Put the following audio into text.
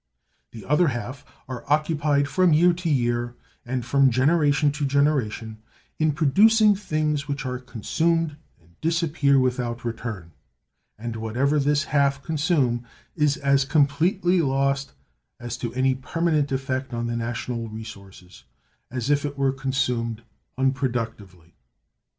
The other half are occupied from year to year and from generation to generation in producing things which are consumed and disappear without return; and whatever this half consume is as completely lost, as to any permanent effect on the national resources, as if it were consumed unproductively.